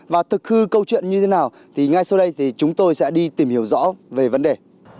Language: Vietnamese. và thực hư câu chuyện như thế nào thì ngay sau đây thì chúng tôi sẽ đi tìm hiểu rõ về vấn đề